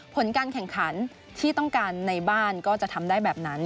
ผลการแข่งขันที่ต้องการในบ้านก็จะทำได้แบบนั้น